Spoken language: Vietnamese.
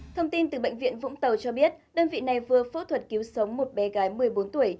thông tin từ bệnh viện vũng tàu cho biết đơn vị này vừa phẫu thuật cứu sống một bé gái một mươi bốn tuổi